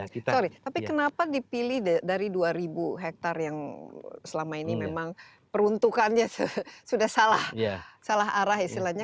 sorry tapi kenapa dipilih dari dua ribu hektare yang selama ini memang peruntukannya sudah salah arah istilahnya